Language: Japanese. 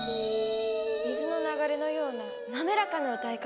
水の流れのような滑らかな歌い方。